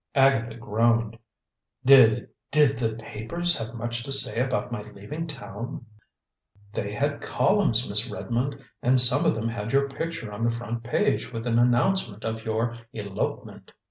Agatha groaned. "Did did the papers have much to say about my leaving town?" "They had columns, Miss Redmond, and some of them had your picture on the front page with an announcement of your elopement.